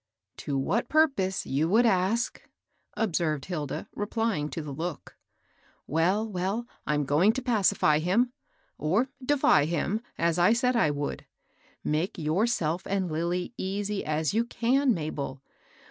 " To what purpose ? you would ask," observed Hilda, replying to the look. " Well, well, Fm going to pacify him, or — defy him, as I said I would. Make yourself and Lilly easy as you can, Mabel.